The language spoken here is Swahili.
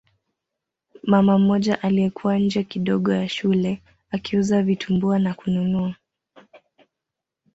Mama mmoja aliyekuwa nje kidogo ya shule akiuza vitumbua na kununua